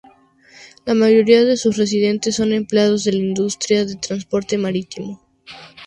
La mayoría de sus residentes son empleados de la industria del transporte marítimo.